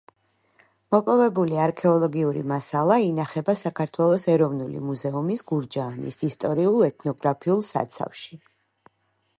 მოპოვებული არქეოლოგიური მასალა ინახება საქართველოს ეროვნული მუზეუმის გურჯაანის ისტორიულ-ეთნოგრაფიულ საცავში.